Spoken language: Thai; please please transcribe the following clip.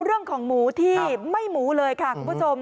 เรื่องของหมูที่ไม่หมูเลยค่ะคุณผู้ชม